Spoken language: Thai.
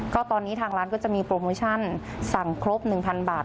ก็ตอนนี้ทางร้านก็จะมีโปรโมชั่นสั่งครบ๑๐๐บาท